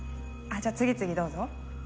じゃあ次々どうぞ。